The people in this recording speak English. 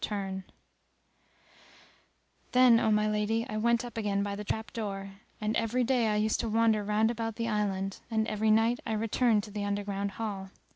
[FN#280] Then, O my lady, I went up again by the trap door, and every day I used to wander round about the island and every night I returned to the underground hall.